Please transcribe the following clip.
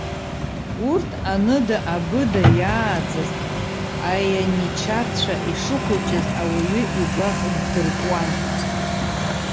Урҭ, аныда-абыда иааӡаз аианичарцәа, ишыхәыҷыз ауаҩы игәаӷ ддыркуан.